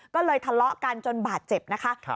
ก็เลยทะเลาะกันจนบาดเจ็บนะคะ